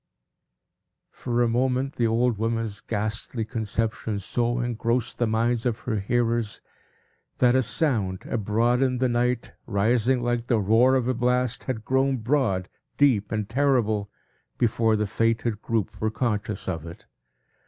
For a moment, the old woman's ghastly conception so engrossed the minds of her hearers, that a sound, abroad in the night, rising like the roar of a blast, had grown broad, deep, and terrible, before the fated group were conscious of it.